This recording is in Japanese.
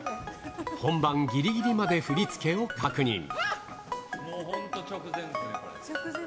本番ぎりぎりまで振り付けを確認。